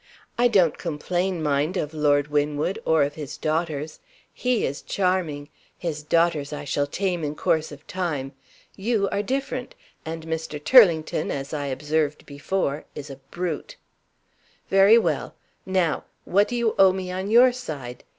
(I don't complain, mind, of Lord Winwood, or of his daughters. He is charming; his daughters I shall tame in course of time. You are different. And Mr. Turlington, as I observed before, is a brute.) Very well. Now what do you owe me on your side?